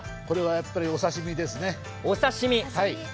これはやっぱりお刺身ですね。